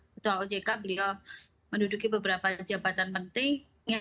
ketua ojk beliau menduduki beberapa jabatan penting